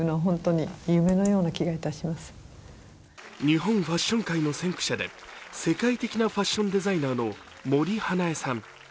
日本ファッション界の先駆者で世界的なファッションデザイナーの森英恵さん。